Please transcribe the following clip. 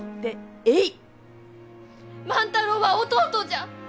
万太郎は弟じゃ！